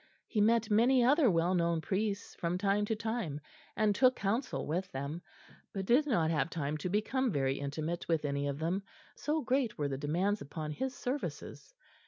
He met many other well known priests from time to time, and took counsel with them, but did not have time to become very intimate with any of them, so great were the demands upon his services.